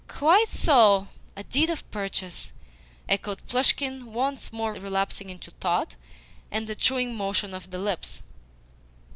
"Quite so a deed of purchase," echoed Plushkin, once more relapsing into thought and the chewing motion of the lips.